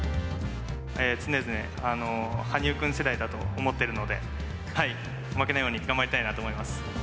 常々、羽生君世代だと思ってるので、負けないように頑張りたいなと思います。